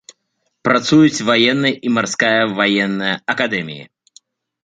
Працуюць ваенная і марская ваенная акадэміі.